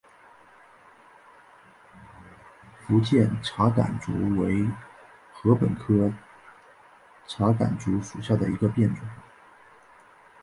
福建茶竿竹为禾本科茶秆竹属下的一个变种。